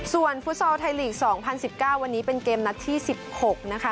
ส่วนฟุตซอลไทยลีก๒๐๑๙วันนี้เป็นเกมนัดที่๑๖นะคะ